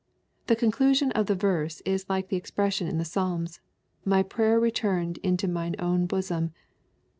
The conclusion of the verse is iflce the ex pression in the Psalms, "My prayer returned into mine own bosom."